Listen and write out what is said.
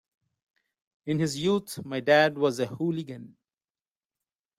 In his youth my dad was a hooligan.